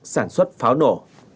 sản xuất pháo nổ